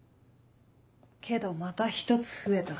けどまた１つ増えた。